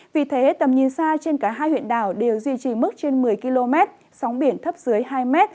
vì thế tầm nhìn xa trên cả hai huyện đảo đều duy trì mức trên một mươi km sóng biển thấp dưới hai m